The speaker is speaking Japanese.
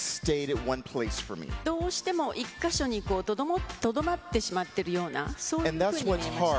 どうしても１か所にとどまってしまっているような、そういうふうに見えました。